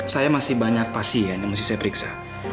saya masih banyak pasien yang masih saya periksa